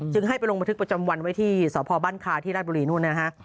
ให้ไปลงบันทึกประจำวันไว้ที่สพบ้านคาที่ราชบุรีนู่นนะฮะ